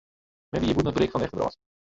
Men wie hjir bûten it berik fan de echte wrâld.